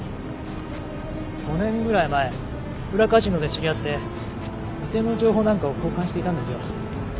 ５年ぐらい前裏カジノで知り合って店の情報なんかを交換していたんですよ。